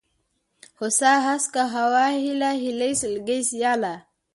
هوسا ، هسکه ، هوا ، هېله ، هيلۍ ، سلگۍ ، سياله